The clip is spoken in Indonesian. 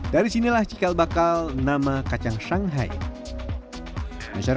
dari sinilah cikal bakar ini berhasil mencapai puluhan kilogram di dalam mesin pengayak ini